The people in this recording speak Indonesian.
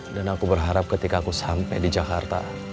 dan aku berharap ketika aku sampai di jakarta